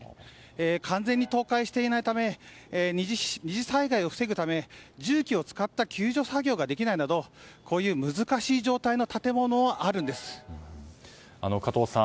完全に倒壊していないため２次災害を防ぐため重機を使った救助作業ができないなど加藤さん